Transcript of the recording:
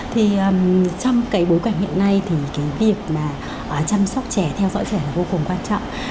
thì trong cái bối cảnh hiện nay thì cái việc mà chăm sóc trẻ theo dõi trẻ là vô cùng quan trọng